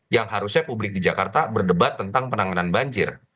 yang harusnya publik di jakarta berdebat tentang penanganan banjir